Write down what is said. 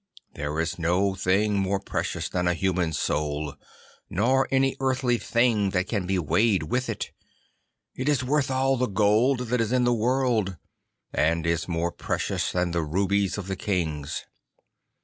There is no thing more precious than a human soul, nor any earthly thing that can be weighed with it. It is worth all the gold that is in the world, and is more precious than the rubies of the kings.